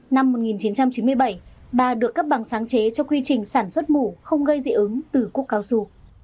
năm một nghìn chín trăm chín mươi bảy bà được cấp bằng sáng chế cho quy trình sản xuất mủ không gây dị ứng từ cúc cao su